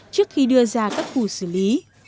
trước khi đưa ra các khu xử lý